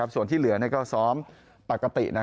ส่วนที่เหลือก็ซ้อมปกติ